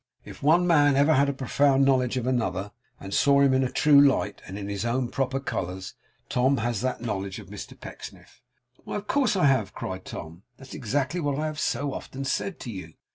If one man ever had a profound knowledge of another, and saw him in a true light, and in his own proper colours, Tom has that knowledge of Mr Pecksniff.' 'Why, of course I have,' cried Tom. 'That's exactly what I have so often said to you.